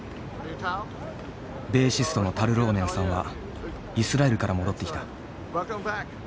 ベーシストのタル・ローネンさんはイスラエルから戻ってきた。